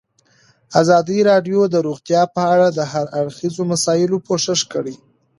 ازادي راډیو د روغتیا په اړه د هر اړخیزو مسایلو پوښښ کړی.